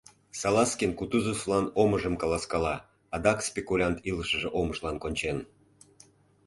Салазкин Кутузовлан омыжым каласкала: адак спекулянт илышыже омыжлан кончен.